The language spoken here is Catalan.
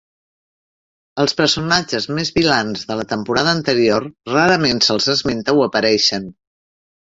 Els personatges més vilans de la temporada anterior rarament se'ls esmenta o apareixen.